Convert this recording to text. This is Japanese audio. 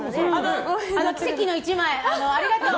奇跡の１枚、ありがとう！